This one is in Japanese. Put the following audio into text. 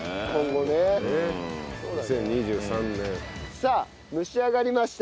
さあ蒸し上がりました。